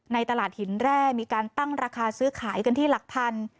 ในตลาดหินแร่มีการตั้งราคาซื้อขายกันที่หลักพัน